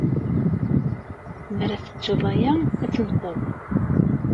Lemmer ad tecceḍ aya, ad temmteḍ.